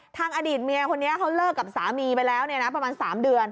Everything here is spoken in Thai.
อดีตเมียคนนี้เขาเลิกกับสามีไปแล้วประมาณ๓เดือน